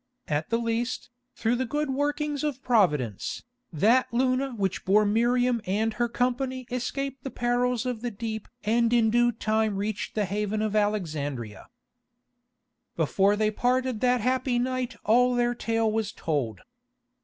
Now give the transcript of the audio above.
At the least, through the good workings of Providence, that Luna which bore Miriam and her company escaped the perils of the deep and in due time reached the haven of Alexandria. Before they parted that happy night all their tale was told.